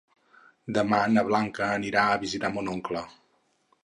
Demà na Blanca anirà a visitar mon oncle.